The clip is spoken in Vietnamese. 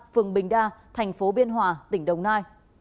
phường bình đa thành phố biên hòa tỉnh đồng nai